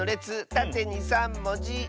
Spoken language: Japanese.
たてに３もじ。